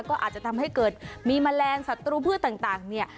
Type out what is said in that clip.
ก็อาจจะทำให้เกิดมีแมลงศัตรูพืชต่างเนี่ย